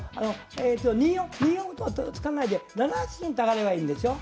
えと２四歩と突かないで７八金と上がればいいんでしょ？